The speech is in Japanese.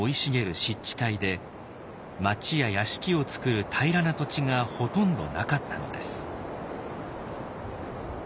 湿地帯で町や屋敷をつくる平らな土地がほとんどなかったのです。